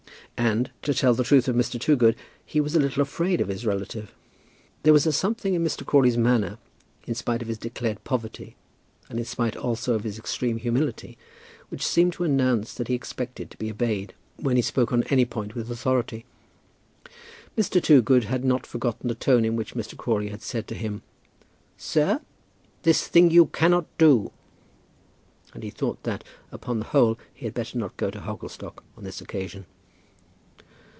And, to tell the truth of Mr. Toogood, he was a little afraid of his relative. There was a something in Mr. Crawley's manner, in spite of his declared poverty, and in spite also of his extreme humility, which seemed to announce that he expected to be obeyed when he spoke on any point with authority. Mr. Toogood had not forgotten the tone in which Mr. Crawley had said to him, "Sir, this thing you cannot do." And he thought that, upon the whole, he had better not go to Hogglestock on this occasion.